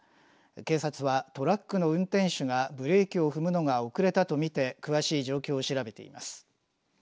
警察は、トラックの運転手がブレーキを踏むのが遅れたと見て詳しい状況を調べています。